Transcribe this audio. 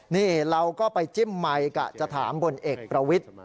นี่เราก็ไปจิ้มไมค์กะจะถามพลเอกประวิทธิ